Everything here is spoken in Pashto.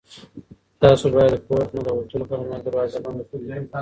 تاسو باید له کور نه د وتلو پر مهال دروازه بنده کړئ.